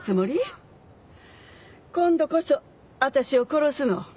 今度こそ私を殺すの？